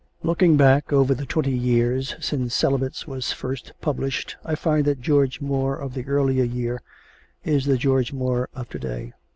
Looking back over the twenty years since "Celibates" was first published I find that the George Moore of the earlier year is the George Moore of to day.